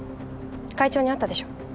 会長に会ったでしょ？